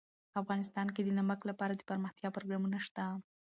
افغانستان کې د نمک لپاره دپرمختیا پروګرامونه شته.